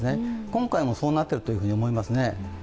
今回もそうなっていると思いますね。